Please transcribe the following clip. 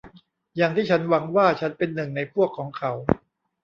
อย่างที่ฉันหวังว่าฉันเป็นหนึ่งในพวกของเขา